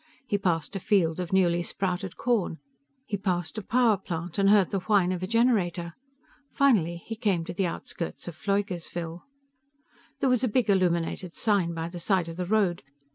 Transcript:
He passed a field of newly sprouted corn. He passed a power plant, and heard the whine of a generator. Finally he came to the outskirts of Pfleugersville. There was a big illuminated sign by the side of the road.